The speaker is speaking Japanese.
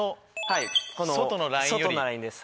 外のラインです。